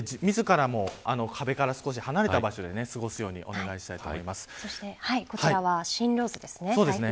壁から少し離れた場所で過ごすようにそしてこちらは進路図です。